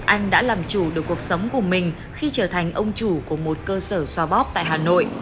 anh đã làm chủ được cuộc sống của mình khi trở thành ông chủ của một cơ sở xoa bóp tại hà nội